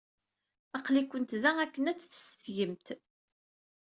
Aql-ikent da akken ad tsetgemt?